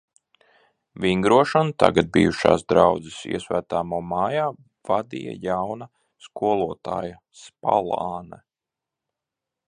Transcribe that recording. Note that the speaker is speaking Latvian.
Vingrošanu tagad bijušajā draudzes iesvētāmo mājā, vadīja jauna skolotāja Spalāne.